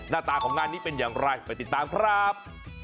หน้าตาของงานนี้เป็นอย่างไรไปติดตามครับ